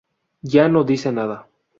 Ya no dice nada.